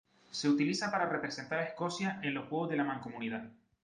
Se utiliza para representar a Escocia en los Juegos de la Mancomunidad.